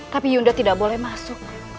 tapi yunda tidak boleh masuk